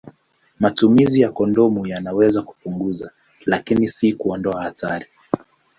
Matumizi ya kondomu yanaweza kupunguza, lakini si kuondoa hatari.